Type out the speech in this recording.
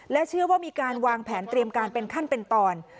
เชื่อว่ามีการวางแผนเตรียมการเป็นขั้นเป็นตอน